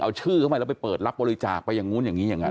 เอาชื่อเข้าไปแล้วไปเปิดรับบริจาคไปอย่างนู้นอย่างนี้อย่างนั้น